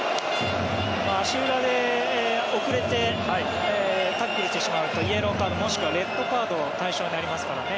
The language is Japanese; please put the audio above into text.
足裏で遅れてタックルしてしまうとイエローカードもしくはレッドカードの対象になりますからね。